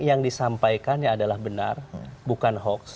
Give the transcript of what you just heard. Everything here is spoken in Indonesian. yang disampaikannya adalah benar bukan hoax